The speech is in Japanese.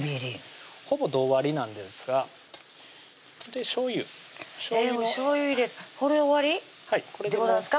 ほぼ同割りなんですがしょうゆしょうゆ入れるこれで終わりでございますか？